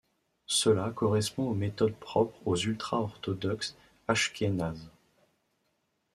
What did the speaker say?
Cela correspond aux méthodes propres aux ultra-orthodoxes ashkénazes.